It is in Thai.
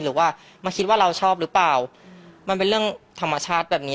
หรือว่ามาคิดว่าเราชอบหรือเปล่ามันเป็นเรื่องธรรมชาติแบบนี้